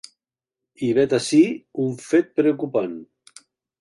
I, vet ací un fet preocupant.